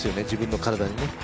自分の体にね。